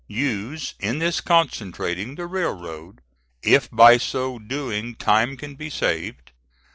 Use, in this concentrating, the railroad, if by so doing time can be saved.